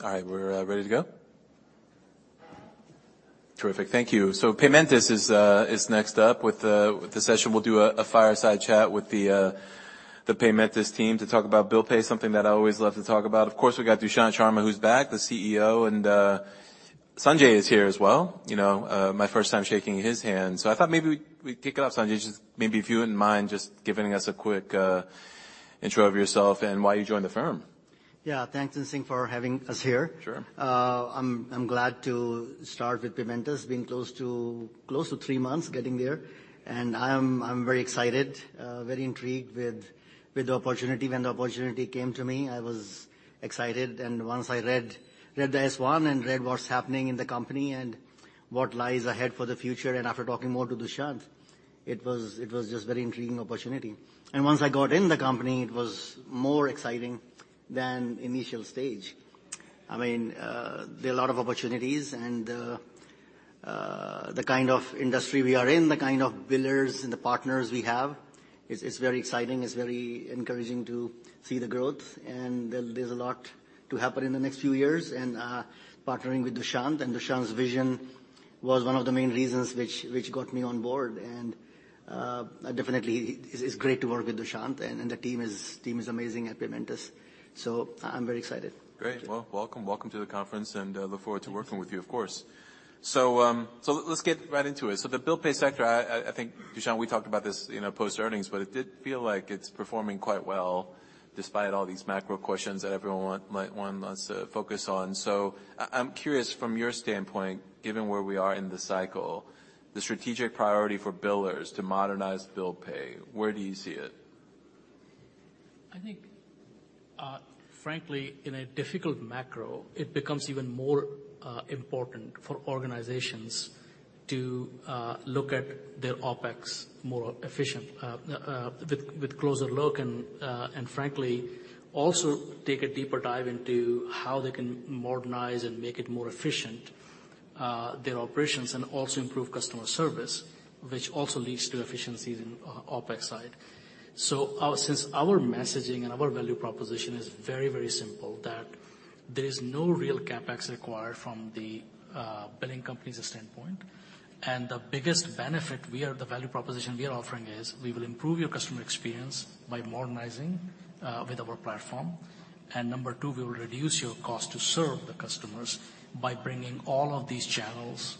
All right, we're ready to go? Terrific, thank you. Paymentus is next up with the session. We'll do a fireside chat with the Paymentus team to talk about bill pay, something that I always love to talk about. Of course, we got Dushyant Sharma, who's back, the CEO, and Sanjay is here as well. You know, my first time shaking his hand. I thought maybe we'd kick it off, Sanjay. Just maybe if you wouldn't mind just giving us a quick intro of yourself and why you joined the firm. Yeah. Thanks, Tien-Tsin, for having us here. Sure. I'm glad to start with Paymentus, being close to three months, getting there. I'm very excited, very intrigued with the opportunity. When the opportunity came to me, I was excited. Once I read the S-1 and read what's happening in the company and what lies ahead for the future, after talking more to Dushyant, it was just very intriguing opportunity. Once I got in the company, it was more exciting than initial stage. I mean, there are a lot of opportunities and the kind of industry we are in, the kind of billers and the partners we have, it's very exciting. It's very encouraging to see the growth. There's a lot to happen in the next few years. Partnering with Dushyant and Dushyant's vision was one of the main reasons which got me on board. Definitely it's great to work with Dushyant and the team is amazing at Paymentus, so I'm very excited. Great. Well, welcome. Welcome to the conference, I look forward to working with you of course. Let's get right into it. The bill pay sector, I think, Dushyant, we talked about this, you know, post-earnings, it did feel like it's performing quite well despite all these macro questions that everyone might want us to focus on. I'm curious from your standpoint, given where we are in the cycle, the strategic priority for billers to modernize bill pay, where do you see it? I think, frankly, in a difficult macro, it becomes even more important for organizations to look at their OpEx more efficient with closer look and frankly, also take a deeper dive into how they can modernize and make it more efficient their operations and also improve customer service, which also leads to efficiencies in OpEx side. since our messaging and our value proposition is very, very simple, that there is no real CapEx required from the billing company's standpoint. The biggest benefit the value proposition we are offering is, we will improve your customer experience by modernizing with our platform. Number two, we will reduce your cost to serve the customers by bringing all of these channels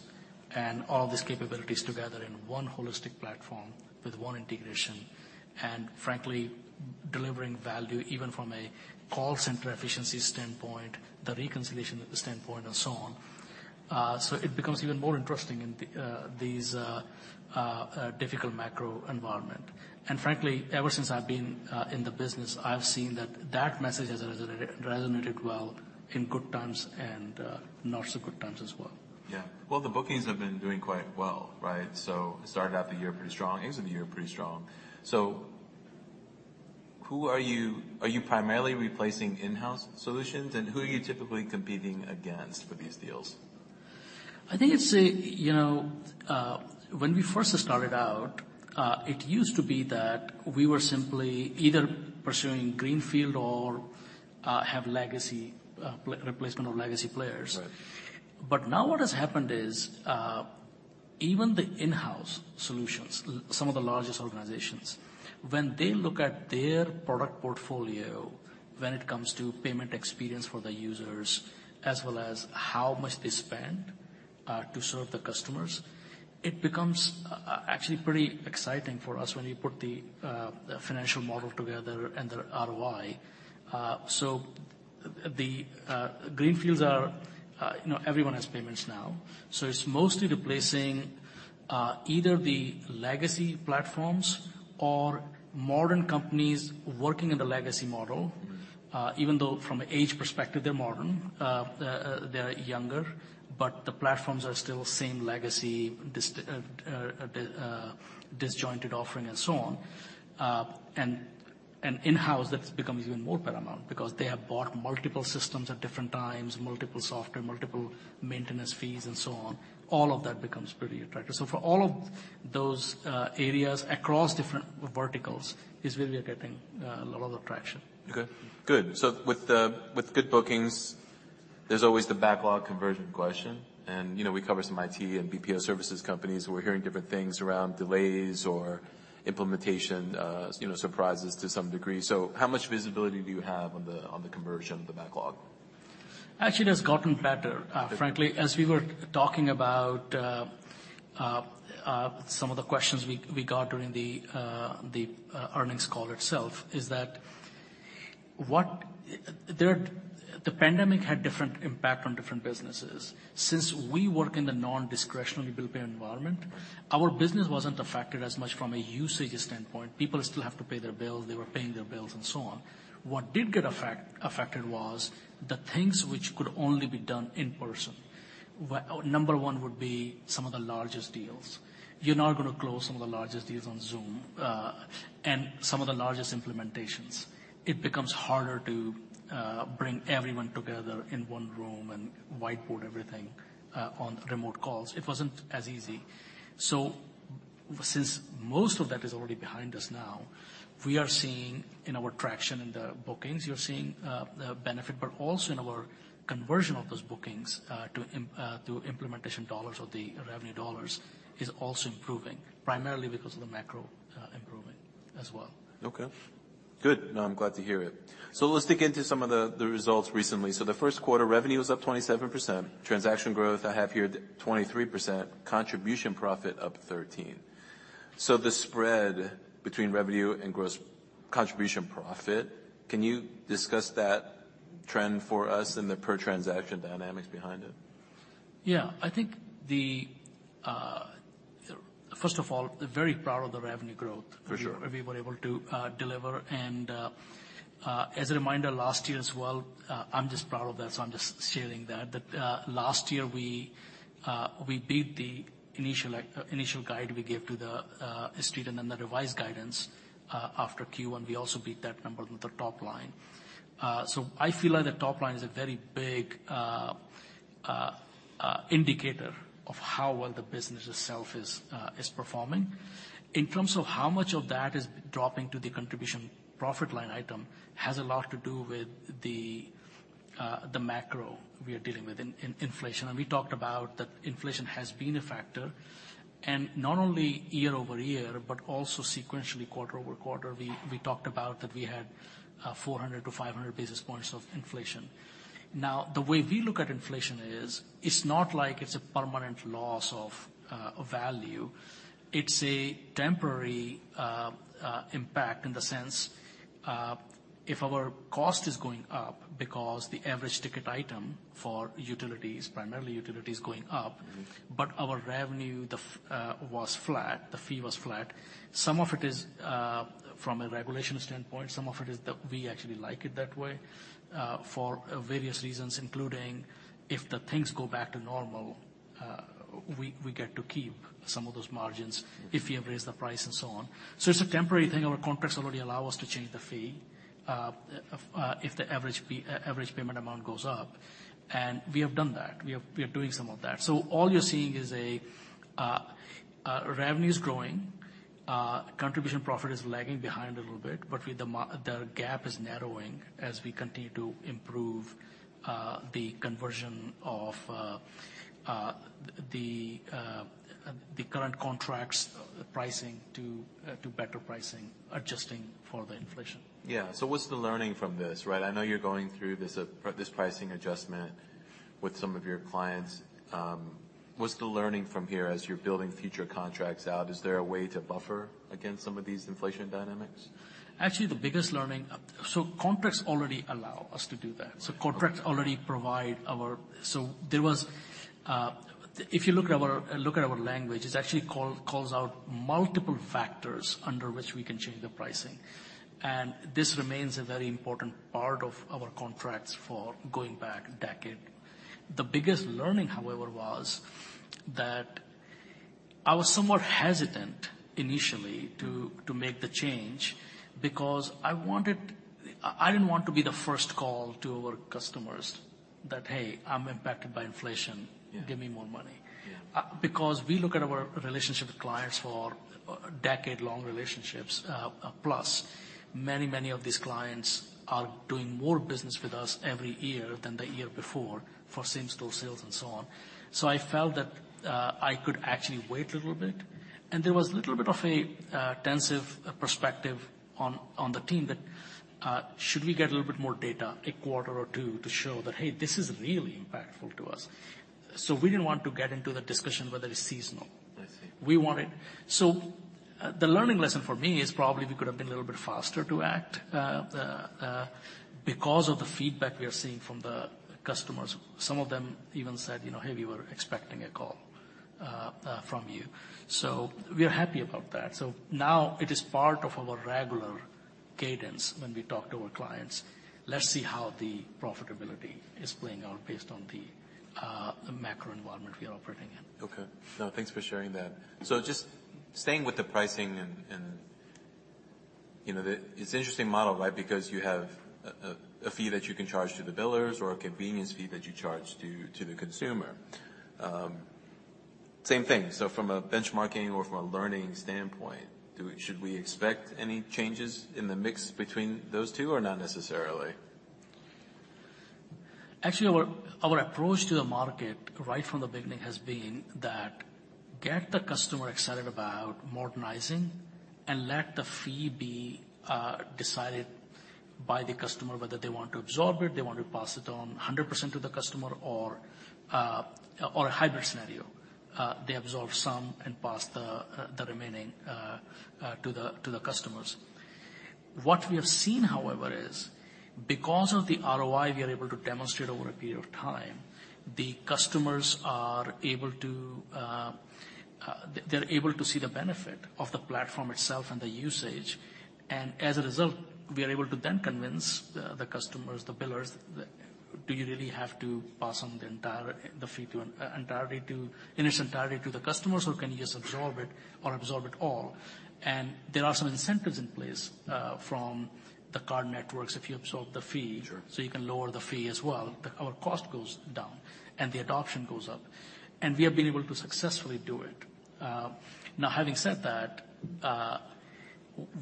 and all these capabilities together in one holistic platform with one integration. Frankly, delivering value even from a call center efficiency standpoint, the reconciliation standpoint, and so on. It becomes even more interesting in these difficult macro environment. Frankly, ever since I've been in the business, I've seen that that message has resonated well in good times and not so good times as well. Yeah. Well, the bookings have been doing quite well, right? It started out the year pretty strong. It was in the year pretty strong. Are you primarily replacing in-house solutions, and who are you typically competing against for these deals? I think it's, you know, when we first started out, it used to be that we were simply either pursuing greenfield or, have legacy, replacement of legacy players. Right. Now what has happened is, even the in-house solutions, some of the largest organizations, when they look at their product portfolio when it comes to payment experience for the users as well as how much they spend, to serve the customers, it becomes actually pretty exciting for us when you put the financial model together and the ROI. So the greenfields are, you know, everyone has payments now, so it's mostly replacing, either the legacy platforms or modern companies working in the legacy model. Even though from a age perspective, they're modern, they're younger, but the platforms are still same legacy disjointed offering and so on. In-house, that's becomes even more paramount because they have bought multiple systems at different times, multiple software, multiple maintenance fees and so on. All of that becomes pretty attractive. For all of those, areas across different verticals is where we are getting, a lot of traction. Okay. Good. With good bookings, there's always the backlog conversion question. You know, we cover some IT and BPO services companies, we're hearing different things around delays or implementation, you know, surprises to some degree. How much visibility do you have on the conversion of the backlog? Actually, it has gotten better, frankly. As we were talking about some of the questions we got during the earnings call itself, the pandemic had different impact on different businesses. Since we work in the non-discretionary bill pay environment, our business wasn't affected as much from a usage standpoint. People still have to pay their bills, they were paying their bills, and so on. What did get affected was the things which could only be done in person. Number one would be some of the largest deals. You're not gonna close some of the largest deals on Zoom and some of the largest implementations. It becomes harder to bring everyone together in one room and whiteboard everything on remote calls. It wasn't as easy. Since most of that is already behind us now, we are seeing in our traction in the bookings, you're seeing the benefit, but also in our conversion of those bookings to implementation dollars or the revenue dollars is also improving, primarily because of the macro improving as well. Okay. Good. No, I'm glad to hear it. Let's dig into some of the results recently. The first quarter revenue is up 27%. Transaction growth I have here 23%. Contribution profit up 13%. The spread between revenue and gross Contribution profit, can you discuss that trend for us and the per transaction dynamics behind it? Yeah. I think first of all, very proud of the revenue growth. For sure. We were able to deliver. As a reminder, last year as well, I'm just proud of that, so I'm just sharing that. Last year we beat the initial guide we gave to the street and then the revised guidance after Q1, we also beat that number with the top line. I feel like the top line is a very big indicator of how well the business itself is performing. In terms of how much of that is dropping to the contribution profit line item has a lot to do with the macro we are dealing with in inflation. We talked about that inflation has been a factor, not only year-over-year, but also sequentially quarter-over-quarter. We talked about that we had 400 to 500 basis points of inflation. The way we look at inflation is, it's not like it's a permanent loss of value. It's a temporary impact in the sense, if our cost is going up because the average ticket item for utilities, primarily utilities, is going up. Our revenue the was flat, the fee was flat. Some of it is from a regulation standpoint, some of it is that we actually like it that way for various reasons, including if the things go back to normal, we get to keep some of those margins if we have raised the price and so on. It's a temporary thing. Our contracts already allow us to change the fee if the average payment amount goes up. We have done that. We are doing some of that. All you're seeing is revenue's growing, contribution profit is lagging behind a little bit, but with the gap is narrowing as we continue to improve the conversion of the current contracts pricing to better pricing, adjusting for the inflation. Yeah. What's the learning from this, right? I know you're going through this pricing adjustment with some of your clients. What's the learning from here as you're building future contracts out? Is there a way to buffer against some of these inflation dynamics? Actually, the biggest learning. Contracts already allow us to do that. Contracts already provide our. There was, if you look at our language, it actually calls out multiple factors under which we can change the pricing. This remains a very important part of our contracts for going back a decade. The biggest learning, however, was that I was somewhat hesitant initially to make the change because I wanted. I didn't want to be the first call to our customers that, "Hey, I'm impacted by inflation. Give me more money." Because we look at our relationship with clients for decade long relationships, plus many, many of these clients are doing more business with us every year than the year before for same-store sales and so on. I felt that I could actually wait a little bit. There was a little bit of a tensive perspective on the team that should we get a little bit more data, a quarter or two, to show that, hey, this is really impactful to us. We didn't want to get into the discussion whether it's seasonal. I see. The learning lesson for me is probably we could have been a little bit faster to act because of the feedback we are seeing from the customers. Some of them even said, "You know, hey, we were expecting a call from you." We are happy about that. Now it is part of our regular cadence when we talk to our clients. Let's see how the profitability is playing out based on the macro environment we are operating in. Okay. No, thanks for sharing that. Just staying with the pricing and, you know. It's an interesting model, right? You have a fee that you can charge to the billers or a convenience fee that you charge to the consumer. Same thing. From a benchmarking or from a learning standpoint, should we expect any changes in the mix between those two or not necessarily? Actually, our approach to the market right from the beginning has been that get the customer excited about modernizing and let the fee be decided by the customer, whether they want to absorb it, they want to pass it on 100% to the customer or a hybrid scenario. They absorb some and pass the remaining to the customers. What we have seen, however, is because of the ROI we are able to demonstrate over a period of time, the customers are able to see the benefit of the platform itself and the usage. As a result, we are able to then convince the customers, the billers, do you really have to pass on the entire fee in its entirety to the customers or can you just absorb it or absorb it all? There are some incentives in place from the card networks if you absorb the fee. Sure. You can lower the fee as well. Our cost goes down and the adoption goes up. We have been able to successfully do it. Now having said that,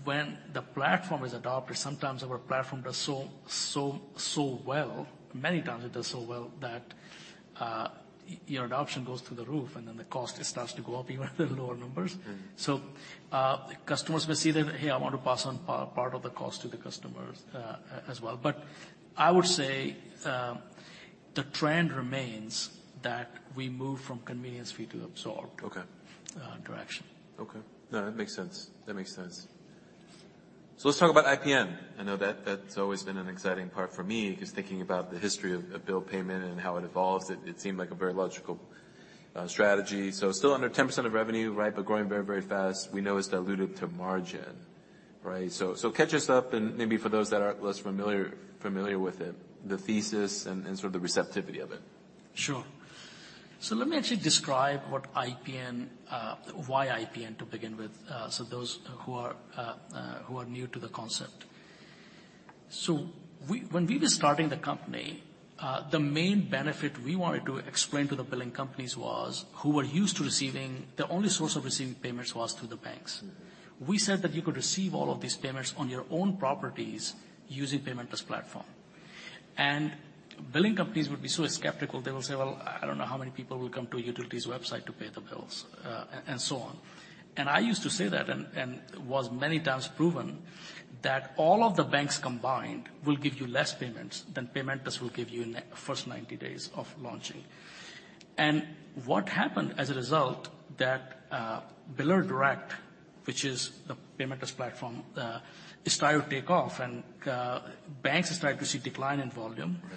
when the platform is adopted, sometimes our platform does so well, many times it does so well that your adoption goes through the roof, and then the cost, it starts to go up even with the lower numbers. Customers may say that, "Hey, I want to pass on part of the cost to the customers, as well." I would say, the trend remains that we move from convenience fee to absorbed to action. Okay. No, that makes sense. That makes sense. Let's talk about IPN. I know that's always been an exciting part for me, 'cause thinking about the history of bill payment and how it evolves, it seemed like a very logical strategy. Still under 10% of revenue, right, but growing very, very fast. We know it's dilutive to margin, right? Catch us up and maybe for those that are less familiar with it, the thesis and sort of the receptivity of it. Sure. Let me actually describe what IPN, why IPN to begin with, those who are new to the concept. When we were starting the company, the main benefit we wanted to explain to the billing companies was, who were used to receiving, their only source of receiving payments was through the banks. We said that you could receive all of these payments on your own properties using Paymentus platform. Billing companies would be so skeptical, they will say, "Well, I don't know how many people will come to a utilities website to pay their bills," and so on. I used to say that and was many times proven that all of the banks combined will give you less payments than Paymentus will give you in the first 90 days of launching. What happened as a result, that biller direct, which is the Paymentus platform, started to take off and banks started to see decline in volume. Right.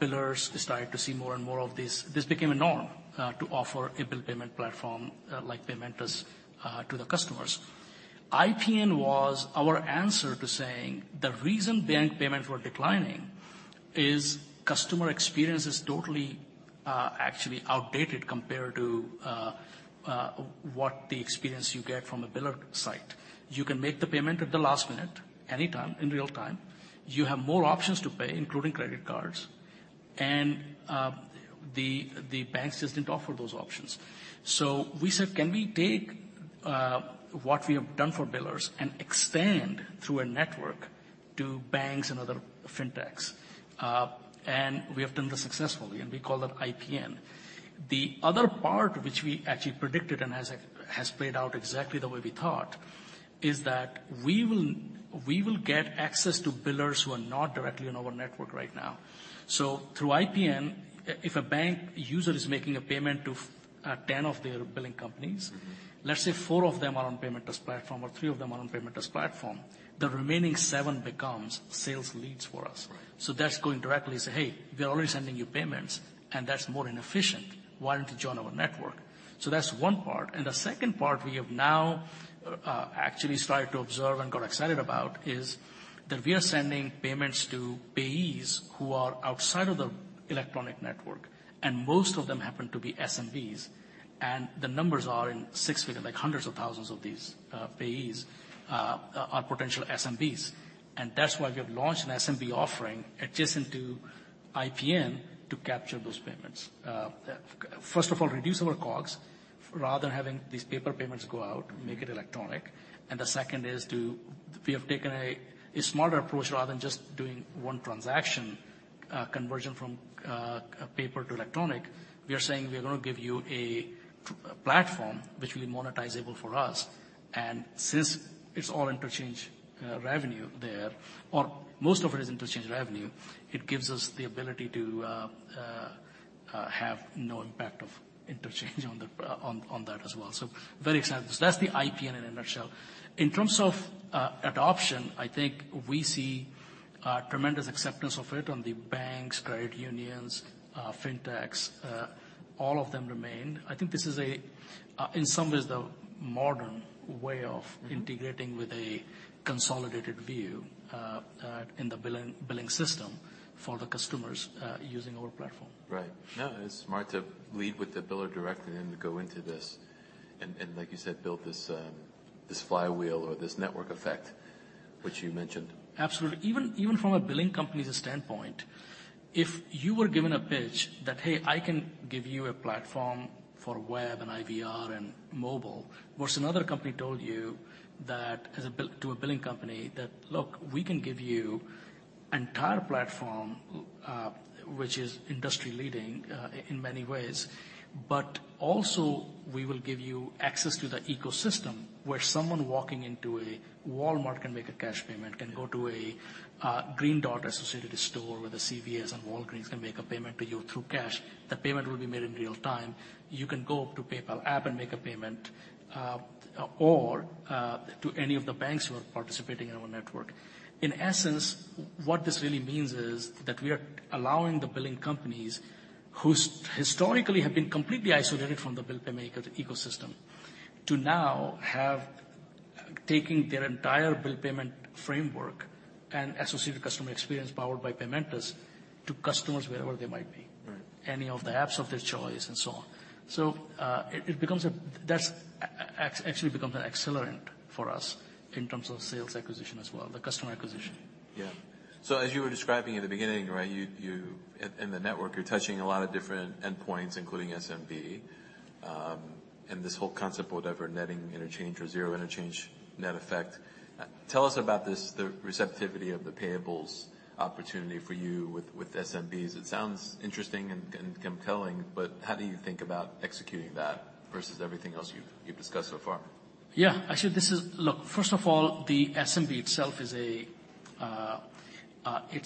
Billers started to see more and more of this. This became a norm to offer a bill payment platform like Paymentus to the customers. IPN was our answer to saying the reason bank payments were declining is customer experience is totally actually outdated compared to what the experience you get from a biller site. You can make the payment at the last minute, anytime, in real time. You have more options to pay, including credit cards. The banks just didn't offer those options. We said, "Can we take what we have done for billers and expand through a network to banks and other fintechs?" We have done this successfully, and we call that IPN. The other part which we actually predicted and has played out exactly the way we thought is that we will get access to billers who are not directly on our network right now. Through IPN, if a bank user is making a payment to 10 of their billing companies let's say four of them are on Paymentus platform or three of them are on Paymentus platform, the remaining seven becomes sales leads for us. Right. That's going directly to say, "Hey, we are already sending you payments and that's more inefficient. Why don't you join our network?" That's one part. The second part we have now actually started to observe and got excited about is that we are sending payments to payees who are outside of the electronic network, and most of them happen to be SMBs. The numbers are in 6 figures, like hundreds of thousands of these payees are potential SMBs. That's why we have launched an SMB offering adjacent to IPN to capture those payments. First of all, reduce our costs, rather than having these paper payments go out. Make it electronic. The second is to, we have taken a smarter approach rather than just doing one transaction conversion from paper to electronic. We are saying we are gonna give you a platform which will be monetizable for us. Since it's all interchange revenue there, or most of it is interchange revenue, it gives us the ability to have no impact of interchange on that as well. Very excited. That's the IPN in a nutshell. In terms of adoption, I think we see tremendous acceptance of it on the banks, credit unions, fintechs, all of them remain. I think this is a in some ways the modern way of integrating with a consolidated view, in the billing system for the customers, using our platform. Right. No, it's smart to lead with the biller directly and then go into this and like you said, build this flywheel or this network effect, which you mentioned. Absolutely. Even from a billing company's standpoint, if you were given a pitch that, "Hey, I can give you a platform for web and IVR and mobile," versus another company told you that as a billing company that, "Look, we can give you entire platform, which is industry leading, in many ways. Also we will give you access to the ecosystem where someone walking into a Walmart can make a cash payment, can go to a Green Dot associated store with a CVS, and Walgreens can make a payment to you through cash. The payment will be made in real time. You can go to PayPal app and make a payment, or to any of the banks who are participating in our network. In essence, what this really means is that we are allowing the billing companies who historically have been completely isolated from the bill paymaker ecosystem to now have, taking their entire bill payment framework and associated customer experience powered by Paymentus to customers wherever they might be. Right. Any of the apps of their choice and so on. It actually becomes an accelerant for us in terms of sales acquisition as well, the customer acquisition. As you were describing in the beginning, right, in the network, you're touching a lot of different endpoints, including SMB, and this whole concept, whatever, netting interchange or zero interchange net effect. Tell us about this, the receptivity of the payables opportunity for you with SMBs. It sounds interesting and compelling, but how do you think about executing that versus everything else you've discussed so far? Yeah. Actually, this is. Look, first of all, the SMB itself, it's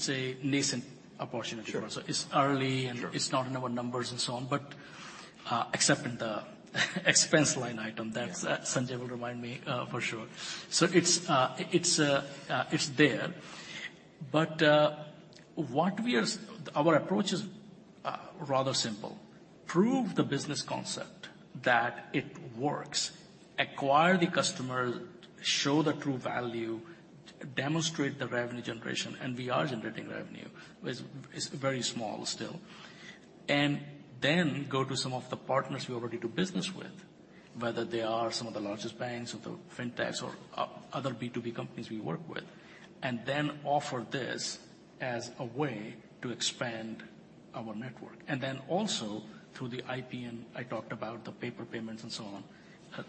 a nascent opportunity. Sure. So it's early, it's not in our numbers and so on, but, except in the expense line item. Yeah. That Sanjay will remind me for sure. It's there. What we are our approach is rather simple: prove the business concept that it works, acquire the customer, show the true value, demonstrate the revenue generation, and we are generating revenue. It's very small still. Go to some of the partners we already do business with, whether they are some of the largest banks or the fintechs or other B2B companies we work with, offer this as a way to expand our network. Also through the IP and I talked about the paper payments and so on,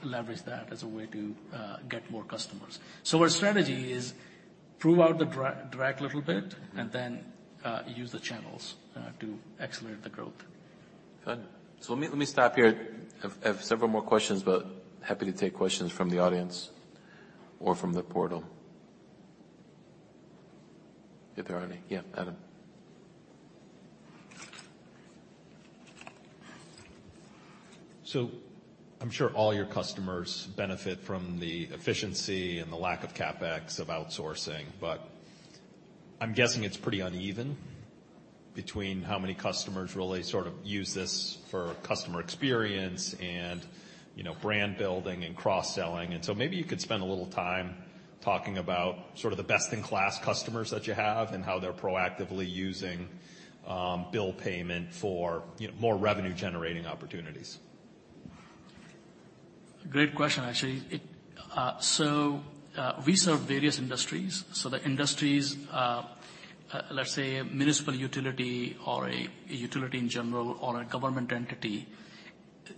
leverage that as a way to get more customers. Our strategy is prove out the drag a little bit. Use the channels to accelerate the growth. Good. Let me stop here. I have several more questions, happy to take questions from the audience or from the portal. If there are any. Yeah, Adam. I'm sure all your customers benefit from the efficiency and the lack of CapEx of outsourcing, but I'm guessing it's pretty uneven between how many customers really sort of use this for customer experience and, you know, brand building and cross-selling. Maybe you could spend a little time talking about sort of the best-in-class customers that you have and how they're proactively using, bill payment for, you know, more revenue-generating opportunities? Great question, actually. It... We serve various industries. The industries, let's say a municipal utility or a utility in general or a government entity,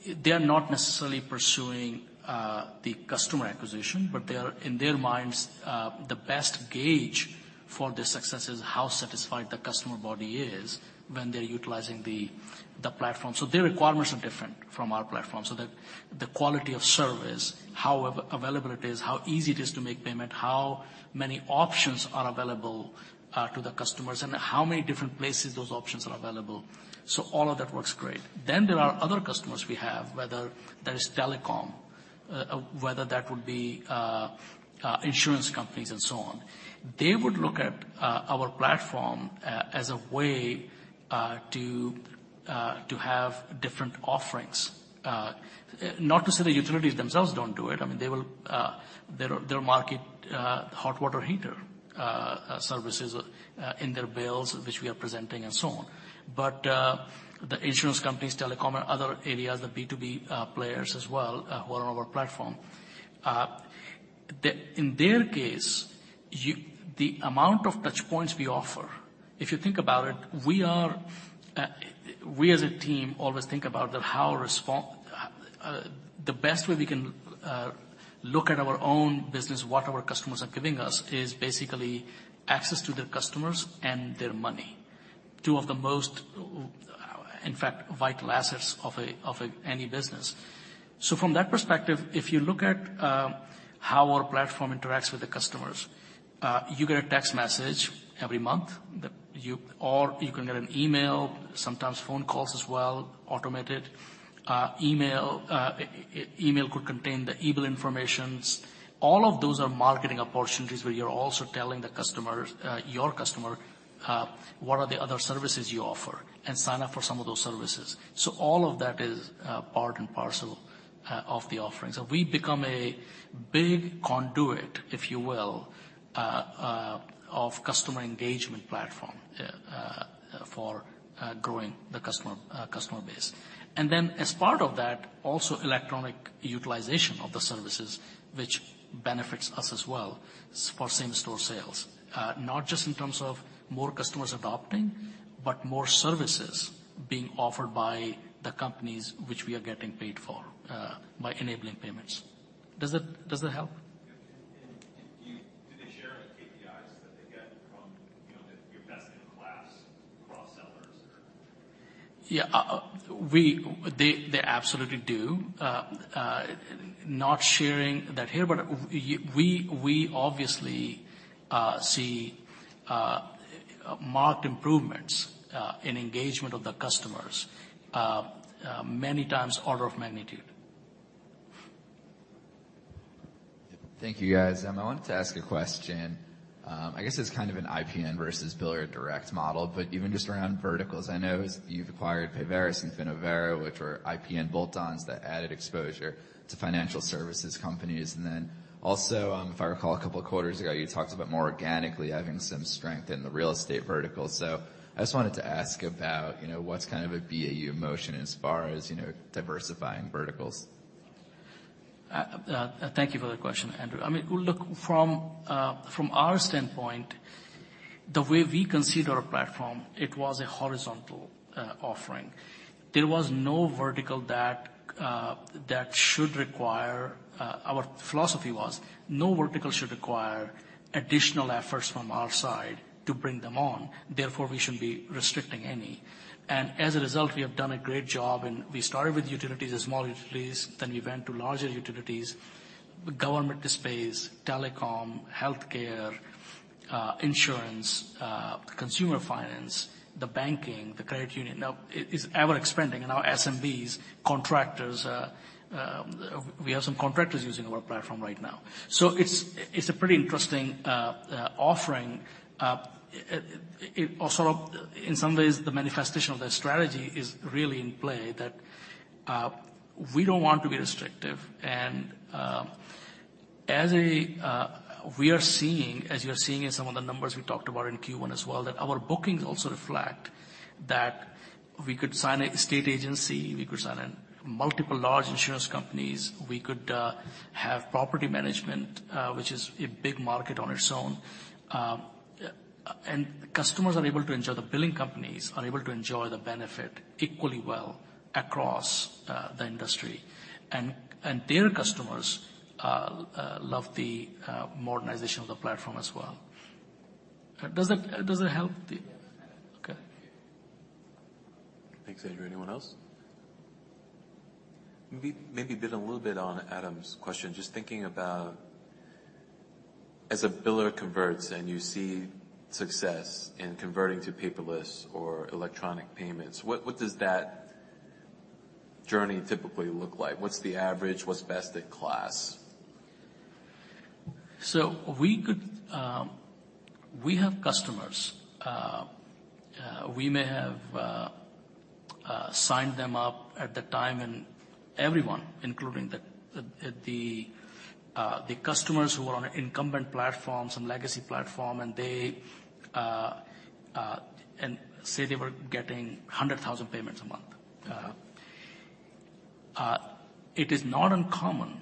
they are not necessarily pursuing the customer acquisition. They are, in their minds, the best gauge for the success is how satisfied the customer body is when they're utilizing the platform. Their requirements are different from our platform. The quality of service, how available it is, how easy it is to make payment, how many options are available to the customers, and how many different places those options are available. All of that works great. There are other customers we have, whether that is telecom, whether that would be insurance companies and so on. They would look at our platform as a way to have different offerings. Not to say the utilities themselves don't do it. I mean, they will, they'll market hot water heater services in their bills, which we are presenting and so on. The insurance companies, telecom and other areas, the B2B players as well, who are on our platform, in their case, the amount of touch points we offer, if you think about it, we are, we as a team always think about the how respond, the best way we can look at our own business, what our customers are giving us, is basically access to their customers and their money, two of the most, in fact, vital assets of any business. ive, if you look at how our platform interacts with the customers, you get a text message every month that you. Or you can get an email, sometimes phone calls as well, automated. Email could contain the e-bill information. All of those are marketing opportunities where you're also telling the customers, your customer, what are the other services you offer and sign up for some of those services. All of that is part and parcel of the offering. We become a big conduit, if you will, of customer engagement platform for growing the customer base As part of that, also electronic utilization of the services which benefits us as well for same-store sales, not just in terms of more customers adopting, but more services being offered by the companies which we are getting paid for, by enabling payments. Does that help? Yeah. Do they share like KPIs that they get from, you know, the, your best-in-class cross-sellers or? Yeah. They absolutely do. Not sharing that here, but we obviously see marked improvements in engagement of the customers many times order of magnitude. Thank you, guys. I wanted to ask a question. I guess it's kind of an IPN versus biller direct model, even just around verticals, I know you've acquired Payveris and Finovera, which were IPN bolt-ons that added exposure to financial services companies. Also, if I recall a couple of quarters ago, you talked about more organically having some strength in the real estate vertical. I just wanted to ask about, you know, what's kind of a BAU motion as far as, you know, diversifying verticals? Thank you for the question, Andrew. I mean, look, from our standpoint, the way we consider our platform, it was a horizontal offering. There was no vertical that should require. Our philosophy was no vertical should require additional efforts from our side to bring them on. Therefore, we shouldn't be restricting any. As a result, we have done a great job and we started with utilities, the small utilities, then we went to larger utilities, government space, telecom, healthcare, insurance, consumer finance, the banking, the credit union. Now it's ever-expanding. Now SMBs, contractors, we have some contractors using our platform right now. It's, it's a pretty interesting offering. It also, in some ways, the manifestation of that strategy is really in play, that we don't want to be restrictive. We are seeing, as you're seeing in some of the numbers we talked about in Q1 as well, that our bookings also reflect that we could sign a state agency, we could sign in multiple large insurance companies. We could have property management, which is a big market on its own. Customers are able to enjoy, the billing companies are able to enjoy the benefit equally well across the industry. Their customers love the modernization of the platform as well. Does that help? Okay. Thanks, Andrew. Anyone else? Maybe a little bit on Adam's question. Just thinking about as a biller converts and you see success in converting to paperless or electronic payments, what does that journey typically look like? What's the average? What's best in class? We could. We have customers, we may have signed them up at the time, and everyone, including the customers who are on an incumbent platform, some legacy platform, and they. Say they were getting 100,000 payments a month. It is not uncommon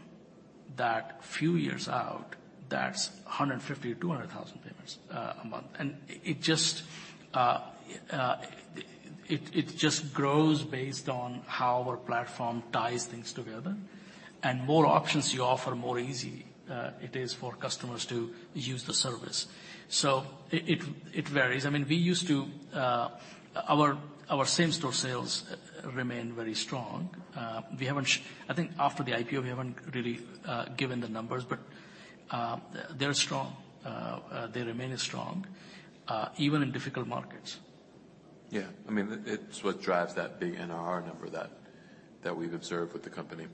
that a few years out, that's 150,000-200,000 payments a month. It just grows based on how our platform ties things together. More options you offer, more easy it is for customers to use the service. It varies. I mean, we used to. Our same-store sales remain very strong. We haven't I think after the IPO, we haven't really given the numbers, but they're strong. They remain strong, even in difficult markets. Yeah. I mean, it's what drives that big NRR number that we've observed with the company.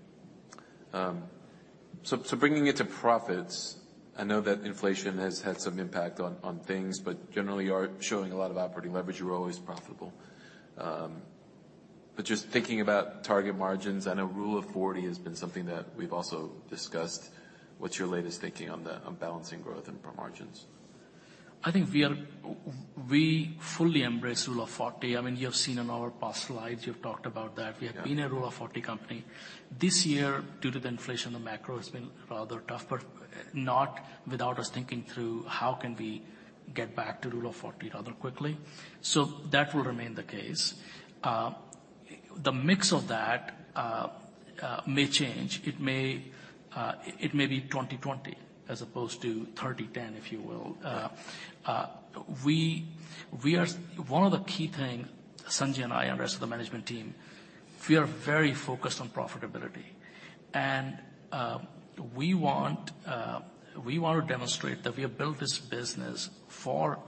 Bringing it to profits, I know that inflation has had some impact on things, but generally you are showing a lot of operating leverage. You were always profitable. Just thinking about target margins, I know Rule of 40 has been something that we've also discussed. What's your latest thinking on balancing growth and pro margins? We fully embrace Rule of 40. I mean, you have seen in all our past slides, we have talked about that. We have been a Rule of 40 company. This year, due to the inflation, the macro has been rather tough, but not without us thinking through how can we get back to Rule of 40 rather quickly. That will remain the case. The mix of that may change. It may be 20/20 as opposed to 30/10, if you will. We are One of the key thing, Sanjay and I and the rest of the management team, we are very focused on profitability. We want to demonstrate that we have built this business for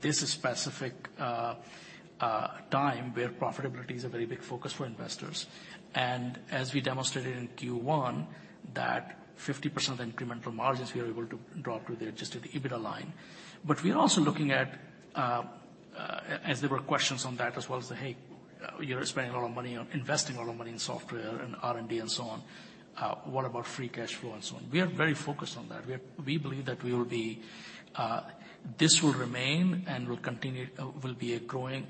this specific time where profitability is a very big focus for investors. As we demonstrated in Q1, that 50% of the incremental margins we are able to drop to the adjusted EBITDA line. We are also looking at, as there were questions on that as well as, "Hey, you're investing a lot of money in software and R&D and so on. What about free cash flow and so on?" We are very focused on that. We believe that we will be. This will remain and will continue, will be a growing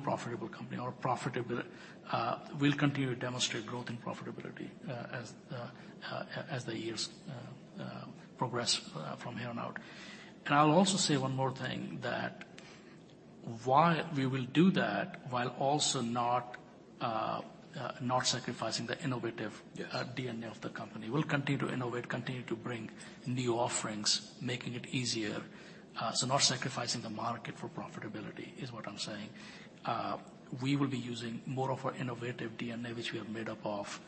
profitable company. We'll continue to demonstrate growth and profitability as the years progress from here on out. I'll also say one more thing that while we will do that, while also not sacrificing the innovative DNA of the company. We'll continue to innovate, continue to bring new offerings, making it easier. Not sacrificing the market for profitability is what I'm saying. We will be using more of our innovative DNA, which we are made up of,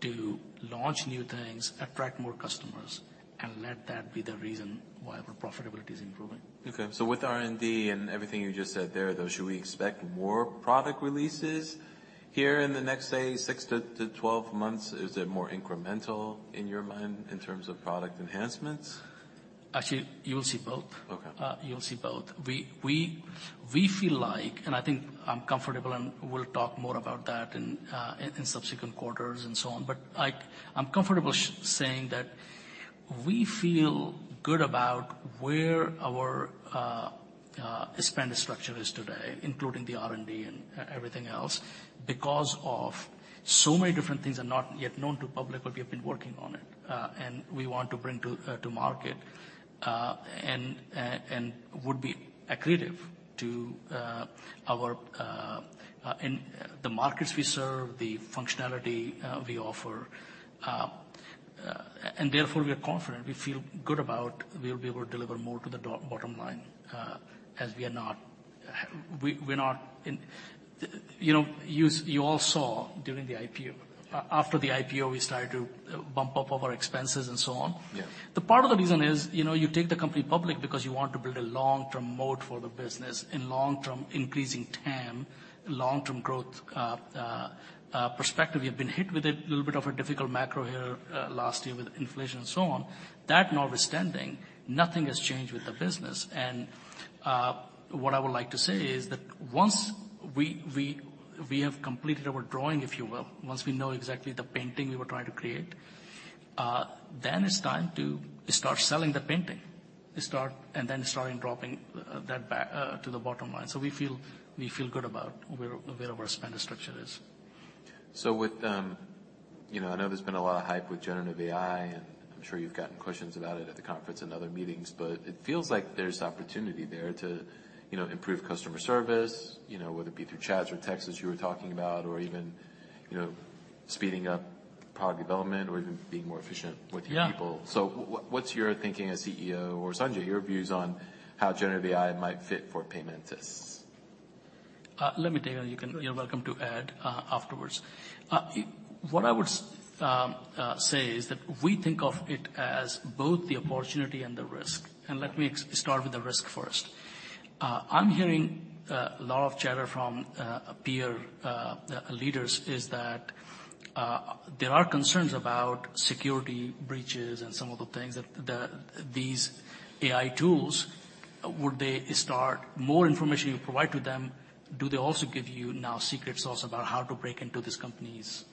to launch new things, attract more customers, and let that be the reason why our profitability is improving. With R&D and everything you just said there, though, should we expect more product releases here in the next, say, six-12 months? Is it more incremental in your mind in terms of product enhancements? Actually, you'll see both. Okay. You'll see both. We feel like, and I think I'm comfortable and we'll talk more about that in subsequent quarters and so on, but I'm comfortable saying that we feel good about where our spend structure is today, including the R&D and everything else because of so many different things are not yet known to public, but we have been working on it, and we want to bring to market. Would be accretive to our. In the markets we serve, the functionality we offer. Therefore, we are confident, we feel good about we'll be able to deliver more to the bottom line, as we are not, we're not in... You know, you all saw during the IPO. After the IPO, we started to bump up all our expenses and so on. The part of the reason is, you know, you take the company public because you want to build a long-term mode for the business. In long term, increasing TAM, long-term growth perspective. We have been hit with a little bit of a difficult macro here last year with inflation and so on. That notwithstanding, nothing has changed with the business. What I would like to say is that once we have completed our drawing, if you will, once we know exactly the painting we were trying to create, then it's time to start selling the painting. starting dropping that to the bottom line. We feel good about where our spend structure is. With, you know, I know there's been a lot of hype with generative AI, and I'm sure you've gotten questions about it at the conference and other meetings, but it feels like there's opportunity there to, you know, improve customer service, you know, whether it be through chats or texts, as you were talking about, or even, you know, speeding up product development or even being more efficient with your people. Yeah. What's your thinking as CEO or, Sanjay, your views on how generative AI might fit for Paymentus? Let me take it, you're welcome to add afterwards. What I would say is that we think of it as both the opportunity and the risk, and let me start with the risk first. I'm hearing a lot of chatter from peer leaders, is that there are concerns about security breaches and some of the things that these AI tools. More information you provide to them, do they also give you now secret sauce about how to break into this company's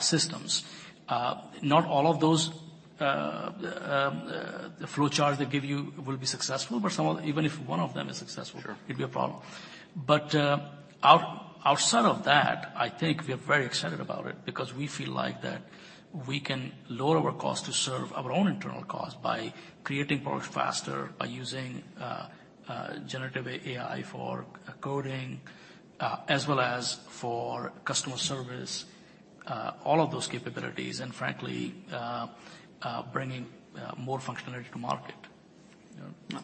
systems? Not all of those flowchart they give you will be successful, but even if one of them is successful. it'd be a problem. Outside of that, I think we're very excited about it because we feel like that we can lower our cost to serve our own internal cost by creating products faster, by using generative AI for coding, as well as for customer service, all of those capabilities. Frankly, bringing more functionality to market. You know?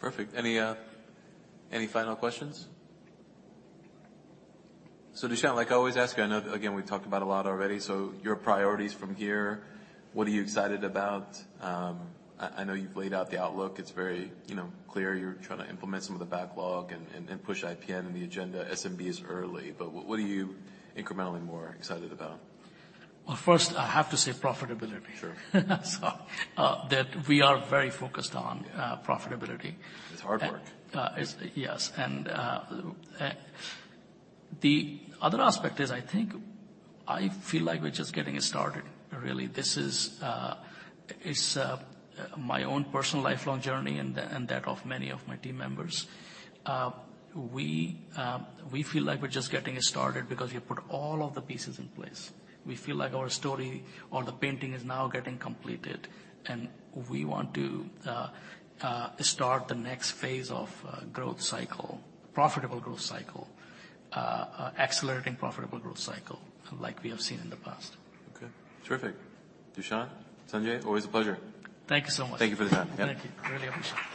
Perfect. Any final questions? Dushyant, like I always ask you, I know again we've talked about a lot already, your priorities from here, what are you excited about? I know you've laid out the outlook. It's very, you know, clear you're trying to implement some of the backlog and push IPN in the agenda. SMB is early, but what are you incrementally more excited about? Well, first, I have to say profitability. Sure. That we are very focused on profitability. It's hard work. Yes. The other aspect is, I think I feel like we're just getting it started, really. This is, it's, my own personal lifelong journey and that of many of my team members. We feel like we're just getting it started because we put all of the pieces in place. We feel like our story or the painting is now getting completed, and we want to, start the next phase of, growth cycle, profitable growth cycle. Accelerating profitable growth cycle like we have seen in the past. Okay. Terrific. Dushyant, Sanjay, always a pleasure. Thank you so much. Thank you for the time. Yeah. Thank you. Really appreciate it. Thanks, Dushyant.